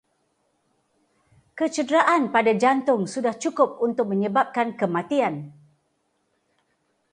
Kecederaan pada jantung sudah cukup untuk menyebabkan kematian